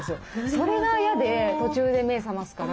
それが嫌で途中で目覚ますから。